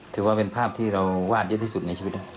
ถือว่าเป็นภาพที่เราวาดเยอะที่สุดในชีวิต